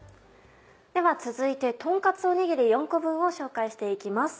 では続いてとんカツおにぎり４個分を紹介して行きます。